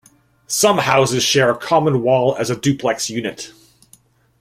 Some houses share a common wall as a duplex unit.